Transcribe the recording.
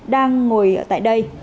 đang ngồi tại đây